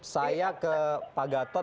saya ke pak gatot